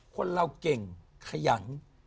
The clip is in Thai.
คนเราเก่งขยัน